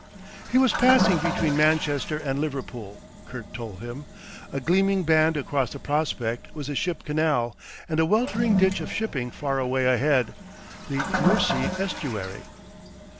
He was passing between Manchester and Liverpool, Kurt told him; a gleaming band across the prospect was the Ship Canal, and a weltering ditch of shipping far away ahead, the Mersey estuary.